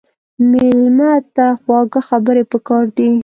مېلمه ته خواږه خبرې پکار دي.